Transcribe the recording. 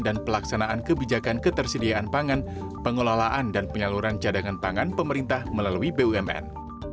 dan pelaksanaan kebijakan ketersediaan pangan pengelolaan dan penyaluran cadangan pangan pemerintah melalui bumn